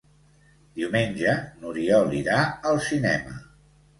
Diumenge n'Oriol irà al cinema.